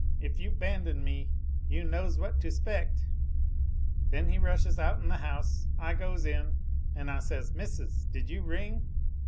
If you 'bandon me, you knows what to 'spect." Then he rushes outen the house, I goes in and I says, "Missis did you ring?"